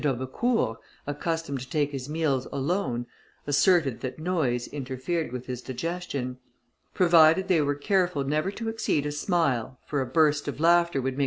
d'Aubecourt, accustomed to take his meals alone, asserted that noise interfered with his digestion; provided they were careful never to exceed a smile, for a burst of laughter would make M.